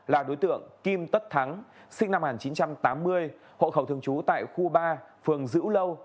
là đối tượng kim tất thắng sinh năm một nghìn chín trăm tám mươi hộ khẩu thường trú tại khu ba phường dữ lâu